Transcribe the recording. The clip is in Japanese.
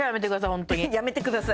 ホントにやめてください